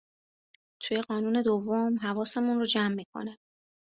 توی قانون دوم، حواسمون رو جمع میکنه